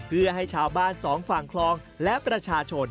เพื่อให้ชาวบ้านสองฝั่งคลองและประชาชน